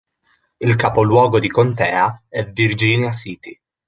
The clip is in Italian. Il capoluogo di contea è Virginia City.